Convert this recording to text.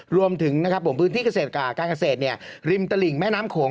รวมถึงพื้นที่การเกษตรริมตลิ่งแม่น้ำโขง